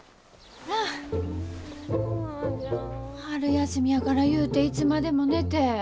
春休みやからいうていつまでも寝て。